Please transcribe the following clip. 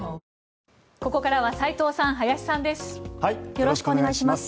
よろしくお願いします。